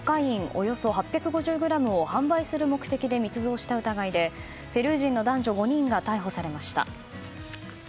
およそ８５０ｇを販売する目的で密造した疑いでペルー人の男女５人が逮捕されました。